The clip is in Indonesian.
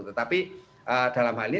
tetapi dalam hal ini